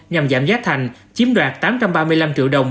nhằm giảm giá thành chiếm đoạt tám trăm ba mươi năm triệu đồng